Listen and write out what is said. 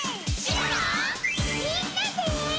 みんなで！